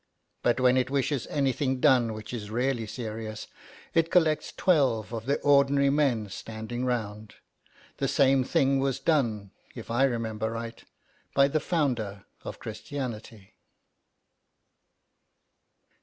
But when it wishes anything done which is really serious, it collects twelve of the ordinary men standing round. The same thing was done, if I remember right, by the Founder of Christianity.